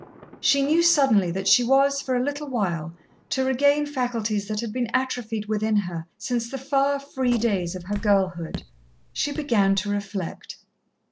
She knew suddenly that she was, for a little while, to regain faculties that had been atrophied within her since the far, free days of her girlhood. She began to reflect.